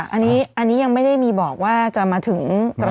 อันนี้ยังไม่ได้มีบอกว่าจะมาถึง